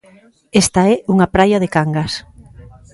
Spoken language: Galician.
Esta é unha praia de Cangas.